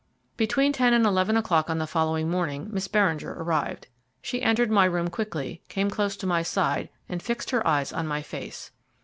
Between ten and eleven o'clock on the following morning Miss Beringer arrived. She entered my room quickly, came close to my side, and fixed her eyes on my face.